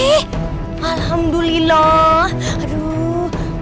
eh alhamdulillah aduh